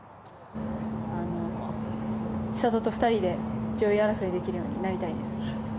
千怜と２人で上位争いできるようになりたいです。